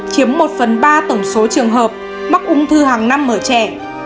chiếm một phần ba tổng số trường hợp mắc ung thư hàng năm ở trẻ